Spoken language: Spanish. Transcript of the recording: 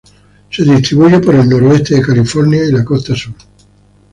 Se distribuye por el nordeste de California y la costa sur.